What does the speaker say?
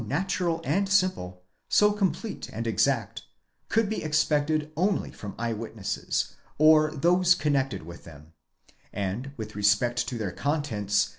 natural and simple, so complete and exact, could be expected only from eye . witnesses, or those connected with them; and, with respect to their contents